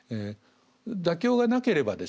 妥協がなければですね